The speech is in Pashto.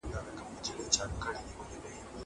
زه هره ورځ چپنه پاکوم!